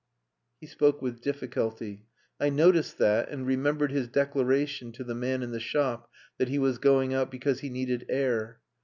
He spoke with difficulty. I noticed that, and remembered his declaration to the man in the shop that he was going out because he "needed air."